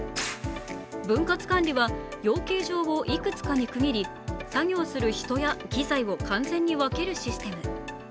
分割管理は養鶏場をいくつかに区切り、作業する人や機材を完全に分けるシステム。